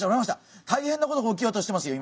大変なことが起きようとしてますよ